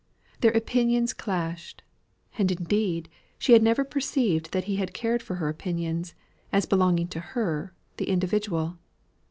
Their opinions clashed; and indeed, she had never perceived that he had cared for her opinions, as belonging to her, the individual.